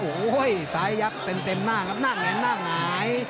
โอ้โฮ้ยสายยักษ์เต็มหน้าครับหน้าแงงหน้าหาย